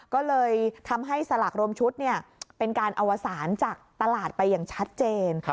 ก็เลยทำให้สลากรวมชุดเป็นการอวสารจากตลาดไปอย่างชัดเจน